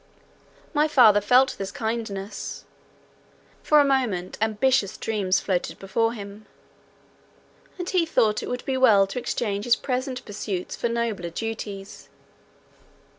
My father felt this kindness; for a moment ambitious dreams floated before him; and he thought that it would be well to exchange his present pursuits for nobler duties.